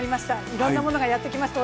いろんなものがやってきました。